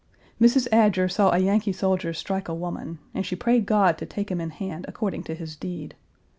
Mrs. Adger1 saw a Yankee soldier strike a woman, and she prayed God to take him in hand according to his deed.